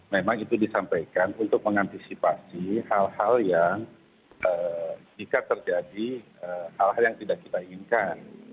memang itu disampaikan untuk mengantisipasi hal hal yang jika terjadi hal hal yang tidak kita inginkan